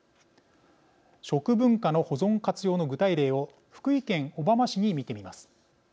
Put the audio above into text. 食文化の保存活用の具体例を福井県小浜市に見てみます。